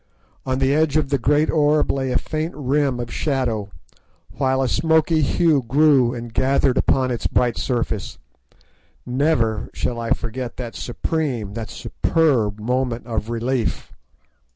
On the edge of the great orb lay a faint rim of shadow, while a smoky hue grew and gathered upon its bright surface. Never shall I forget that supreme, that superb moment of relief.